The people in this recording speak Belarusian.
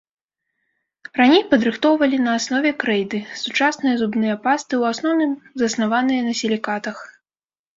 Раней падрыхтоўвалі на аснове крэйды, сучасныя зубныя пасты ў асноўным заснаваныя на сілікатах.